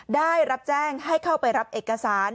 ได้รับแจ้งให้เข้าไปรับเอกสาร